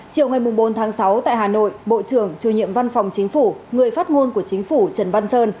chiều ngày bốn tháng sáu tại hà nội bộ trưởng chủ nhiệm văn phòng chính phủ người phát ngôn của chính phủ trần văn sơn